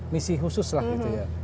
misi khusus lah gitu ya